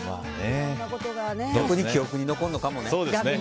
逆に記憶に残るのかもね。